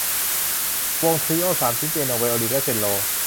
วงทรีโอสามชิ้น เปียโน ไวโอลิน และเชลโล